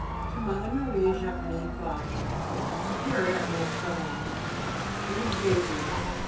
To Mother Marie Jacqueline Favre, Superior at Montferrand. Vive [+] Jésus!